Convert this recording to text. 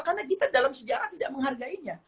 karena kita dalam sejarah tidak menghargainya